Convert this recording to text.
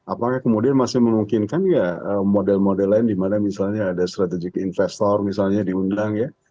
apakah kemudian masih memungkinkan nggak model model lain di mana misalnya ada strategic investor misalnya diundang ya